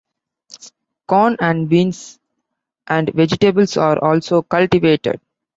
Corn and beans and vegetables are also cultivated.